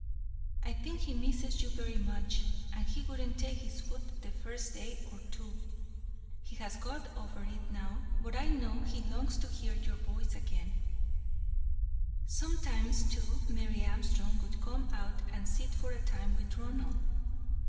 I think he misses you very much, and he wouldn't take his food the first day or two. He has got over it now, but I know he longs to hear your voice again." Sometimes, too, Mary Armstrong would come out and sit for a time with Ronald.